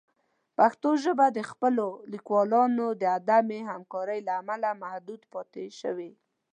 پښتو ژبه د خپلو لیکوالانو د عدم همکارۍ له امله محدود پاتې شوې.